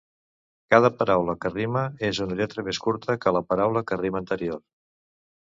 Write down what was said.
Cada paraula que rima és una lletra més curta que la paraula que rima anterior.